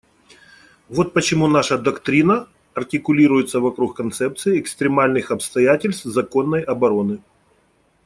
Вот почему наша доктрина артикулируется вокруг концепции экстремальных обстоятельств законной обороны.